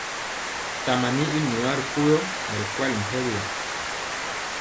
Tama yi i namaa ri ko yɔ, mɛ ri kwali sampɛriya.